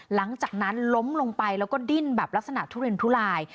หลังจากนั้นล้มลงไปแล้วก็ดิ้นแบบลักษณะทุเรียนทุลาย